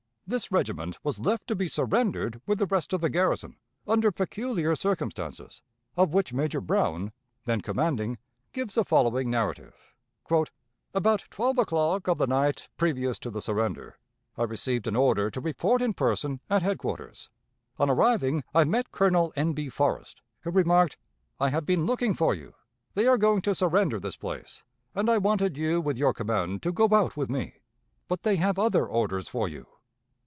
This regiment was left to be surrendered with the rest of the garrison, under peculiar circumstances, of which Major Brown, then commanding, gives the following narrative: "About twelve o'clock of the night previous to the surrender, I received an order to report in person at headquarters. On arriving I met Colonel N. B. Forrest, who remarked: 'I have been looking for you; they are going to surrender this place, and I wanted you with your command to go out with me, but they have other orders for you.'